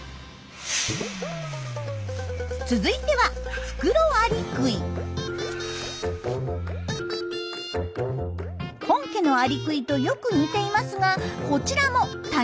続いては本家のアリクイとよく似ていますがこちらも他人のそら似。